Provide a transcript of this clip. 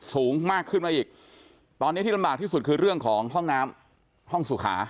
สูงมากขึ้นมาอีกตอนนี้ที่ลำบากที่สุดคือเรื่องของห้องน้ำห้องสุขา